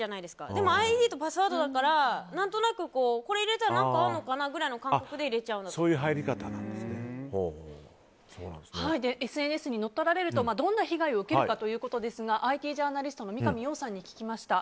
でもＩＤとパスワードだからこれ入れたら何かあるのかなっていう感じでＳＮＳに乗っ取られるとどんな被害を受けるのかということですがＩＴジャーナリストの三上洋さんに聞きました。